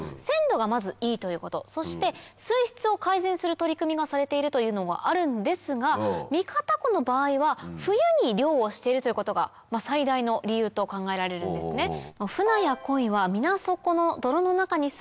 鮮度がまずいいということそして水質を改善する取り組みがされているというのもあるんですが三方湖の場合は冬に漁をしているということが最大の理由と考えられるんですね。